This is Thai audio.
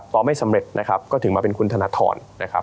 ต่อไม่สำเร็จก็ถึงมาเป็นคุณธนทร